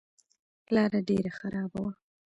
لاره ډېره خرابه وه.